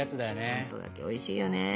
あんぽ柿おいしいよね。